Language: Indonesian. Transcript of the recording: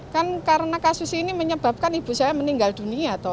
kan karena kasus ini menyebabkan ibu saya meninggal dunia